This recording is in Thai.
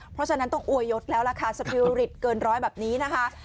เพราะฉะนั้นต้องอวยยศแล้วล่ะค่ะสปิลิตเกินร้อยแบบนี้นะคะ